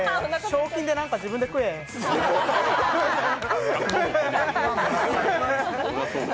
賞金で何か自分で食えよ。